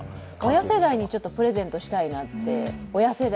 親世代にプレゼントしたいなって。